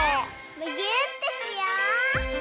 むぎゅーってしよう！